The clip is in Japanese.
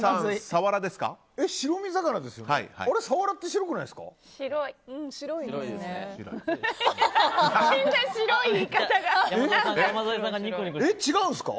サワラって白くないですか？